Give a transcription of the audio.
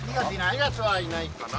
２月はいないかな